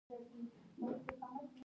زړه د صادقو خلکو سره ځان خوندي احساسوي.